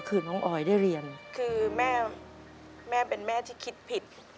คือน้องออยได้เรียนคือแม่แม่เป็นแม่ที่คิดผิด